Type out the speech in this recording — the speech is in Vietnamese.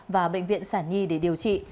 và bệnh viện sản nhi để điều trị